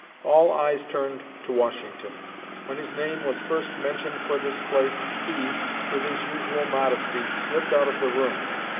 All eyes turned to Washington. When his name was first mentioned for this place, he, with his usual modesty, slipped out of the room.